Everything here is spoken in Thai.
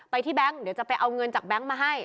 ที่แบงค์เดี๋ยวจะไปเอาเงินจากแก๊งมาให้